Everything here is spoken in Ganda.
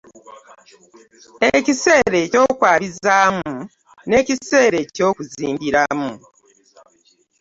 Ekiseera eky'okwabizaamu, n'ekiseera eky'okuzimbiramu.